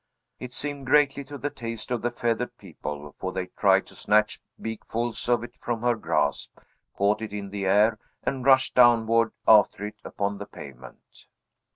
It seemed greatly to the taste of the feathered people; for they tried to snatch beakfuls of it from her grasp, caught it in the air, and rushed downward after it upon the pavement.